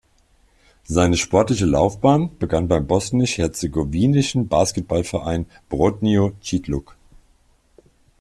Seine sportliche Laufbahn begann beim bosnisch-herzegowinischen Basketballverein Brotnjo-Čitluk.